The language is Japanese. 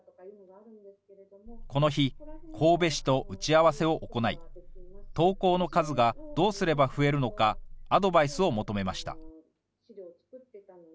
この日、神戸市と打ち合わせを行い、投稿の数がどうすれば増えるのか、アドバイスを求めました。